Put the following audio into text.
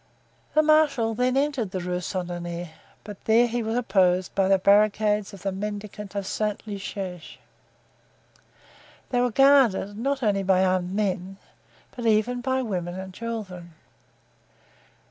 The marshal then entered the Rue Saint Honore, but there he was opposed by the barricades of the mendicant of Saint Eustache. They were guarded, not only by armed men, but even by women and children.